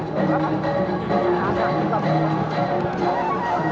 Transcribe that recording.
terima kasih pak